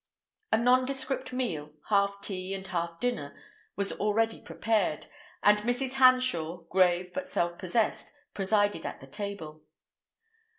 A nondescript meal, half tea and half dinner, was already prepared, and Mrs. Hanshaw, grave but self possessed, presided at the table.